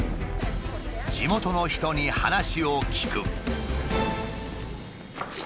地元の人に話を聞く。